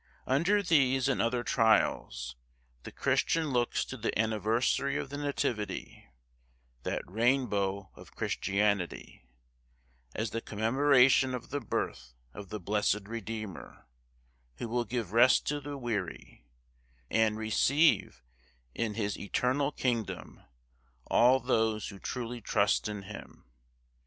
Under these and other trials, the Christian looks to the anniversary of the Nativity (that rainbow of Christianity) as the commemoration of the birth of the Blessed Redeemer, who will give rest to the weary, and receive in his eternal kingdom all those who truly trust in him.